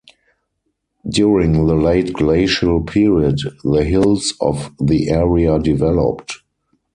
During the late glacial period, the hills of the area developed.